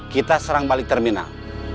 kita serang balik terminal